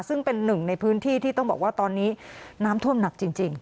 ซึ่งเป็นหนึ่งในพื้นที่ที่ต้องบอกว่าตอนนี้น้ำท่วมหนักจริง